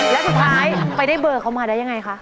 แล้วสุดท้ายไปได้เบอร์เขามาได้ยังไงคะ